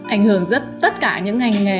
ảnh hưởng rất tất cả những ngành nghề